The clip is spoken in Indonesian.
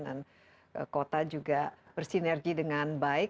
dan kota juga bersinergi dengan baik